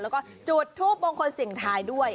แล้วก็จุดทูปมงคลเสียงทายด้วย